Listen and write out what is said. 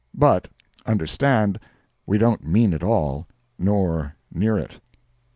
But understand we don't mean it all, nor near it.